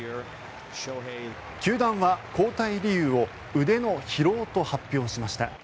球団は交代理由を腕の疲労と発表しました。